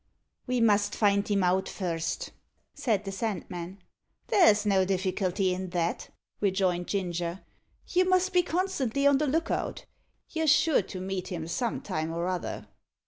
"We must find him out first," said the Sandman. "There's no difficulty in that," rejoined Ginger. "You must be constantly on the look out. You're sure to meet him some time or other."